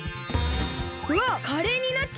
うわっカレーになっちゃった！